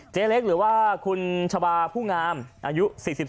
เล็กหรือว่าคุณชะบาผู้งามอายุ๔๒